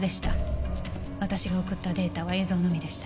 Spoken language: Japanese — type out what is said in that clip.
私が送ったデータは映像のみでした。